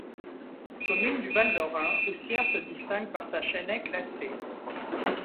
Commune du Val d’Orain, Oussières se distingue par sa chênaie classée.